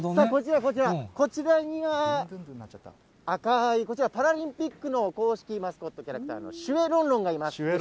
こちら、こちら、こちらには赤い、こちら、パラリンピックの公式マスコットキャラクター、シュエロンロンがいます。